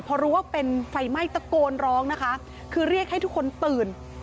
พอรู้ว่าเป็นไฟไหม้ตะโกนร้องนะคะคือเรียกให้ทุกคนตื่น